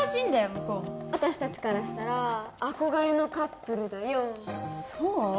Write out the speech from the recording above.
向こうも私達からしたら憧れのカップルだよそう？